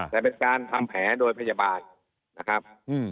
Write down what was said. แต่เป็นการทำแผลโดยพยาบาลนะครับ